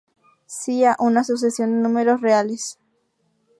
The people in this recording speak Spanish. Sea {a i} una sucesión de números reales.